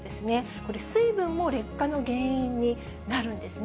これ、水分も劣化の原因になるんですね。